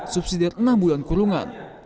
subsidiar enam bulan kurungan